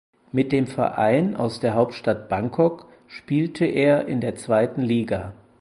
Mit dem Verein aus der Hauptstadt Bangkok spielte er in der Zweiten Liga.